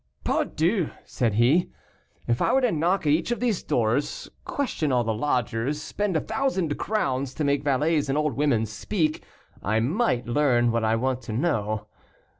"Pardieu!" said he, "if I were to knock at each of these doors question all the lodgers, spend a thousand crowns to make valets and old women speak, I might learn what I want to know.